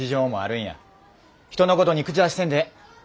人のことに口出しせんでええ。